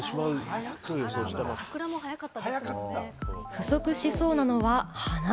不足しそうなのは花。